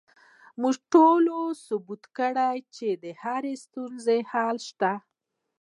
زموږ ټولنې ثابته کړې چې د هرې ستونزې حل شته